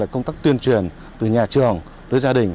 công tác tuyên truyền từ nhà trường tới gia đình